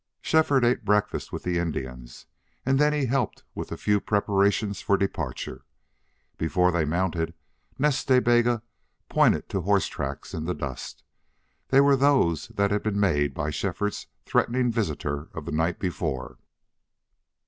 Shefford ate breakfast with the Indians, and then helped with the few preparations for departure. Before they mounted, Nas Ta Bega pointed to horse tracks in the dust. They were those that had been made by Shefford's threatening visitor of the night before.